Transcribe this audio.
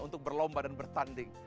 untuk berlomba dan bertanding